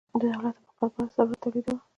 د دولت د بقا لپاره یې ثروت تولیداوه.